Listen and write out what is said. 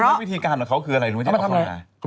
แล้วนั่นวิธีการของเขาคืออะไร